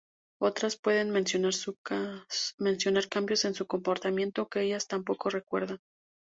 Otras pueden mencionar cambios en su comportamiento que ellas tampoco recuerdan.